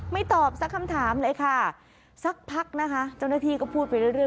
ตอบสักคำถามเลยค่ะสักพักนะคะเจ้าหน้าที่ก็พูดไปเรื่อย